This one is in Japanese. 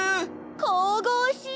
こうごうしい！